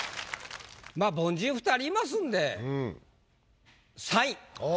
まあ凡人２人いますんで３位。